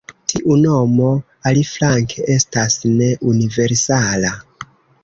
Tiu nomo, aliflanke, estas ne universala.